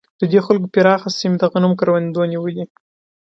د دې جلګو پراخه سیمې د غنمو کروندو نیولې.